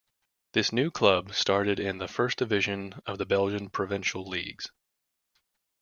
This new club started in the first division of the Belgian Provincial leagues.